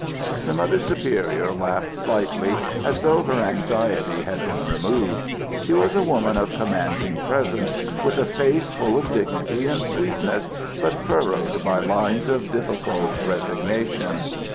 The Mother Superior laughed slightly, as though her anxiety had been removed. She was a woman of commanding presence, with a face full of dignity and sweetness, but furrowed by lines of difficult resignation.